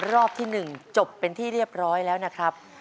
รอบที่๑จบเป็นที่เรียบร้อยแล้วนะครับ